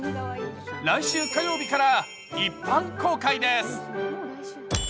来週火曜日から、一般公開です。